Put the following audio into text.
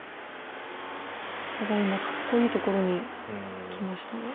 ただ今かっこいいところにきましたね。